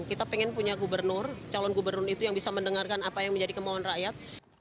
kita pengen punya gubernur calon gubernur itu yang bisa mendengarkan apa yang menjadi kemauan rakyat